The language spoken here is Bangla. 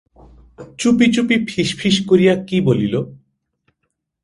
চুপি চুপি ফিস ফিস করিয়া কি বলিল।